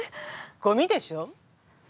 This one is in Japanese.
ゴミでしょ？